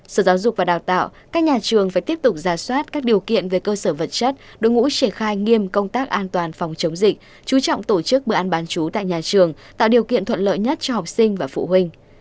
sở giáo dục và đào tạo các nhà trường phải tiếp tục ra soát các điều kiện về cơ sở vật chất đối ngũ triển khai nghiêm công tác an toàn phòng chống dịch chú trọng tổ chức bữa ăn bán chú tại nhà trường tạo điều kiện thuận lợi nhất cho học sinh và phụ huynh